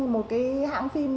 một cái hãng phim